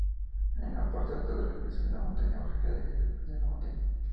En la parte alta, la expresión La Montaña baja quedaría simplemente en La Montaña.